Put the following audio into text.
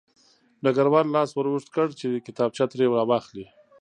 ډګروال لاس ور اوږد کړ چې کتابچه ترې راواخلي